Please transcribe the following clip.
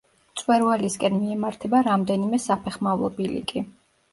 მწვერვალისკენ მიემართება რამდენიმე საფეხმავლო ბილიკი.